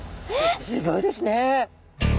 すギョいですね。